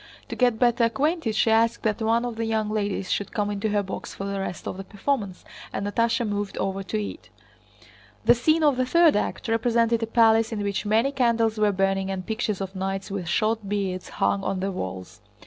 To get better acquainted she asked that one of the young ladies should come into her box for the rest of the performance, and Natásha moved over to it. The scene of the third act represented a palace in which many candles were burning and pictures of knights with short beards hung on the walls.